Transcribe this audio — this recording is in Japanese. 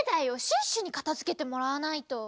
シュッシュにかたづけてもらわないと！